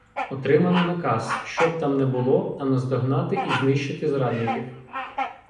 Отримано наказ: що б там не було, а наздогнати і знищити зрадників.